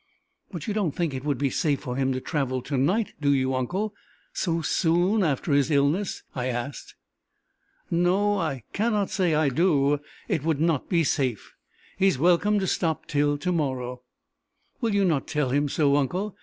"But you don't think it would be safe for him to travel to night do you, uncle so soon after his illness?" I asked. "No, I cannot say I do. It would not be safe. He is welcome to stop till to morrow." "Will you not tell him so, uncle?